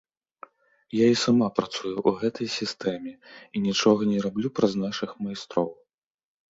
Я і сама працую ў гэтай сістэме і нічога не раблю праз нашых майстроў.